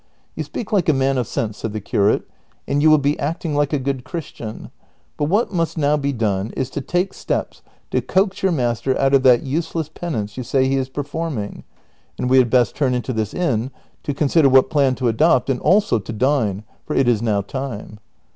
" You speak like a man of sense," said the curate, " and you Avill be acting like a good Christian ; but what must now be done is to take steps to coax your master out of that useless penance you say he is performing ; and we had best turn into this inn to consider what plan to adopt, and also to dine, for it is now time."